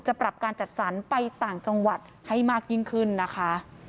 ปรับการจัดสรรไปต่างจังหวัดให้มากยิ่งขึ้นนะคะ